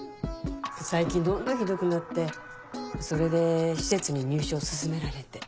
最近どんどんひどくなってそれで施設に入所を勧められて。